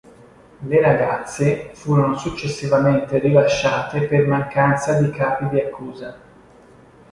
Le ragazze furono successivamente rilasciate per mancanza di capi di accusa.